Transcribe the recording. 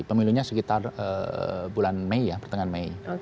pemilunya sekitar bulan mei ya pertengahan mei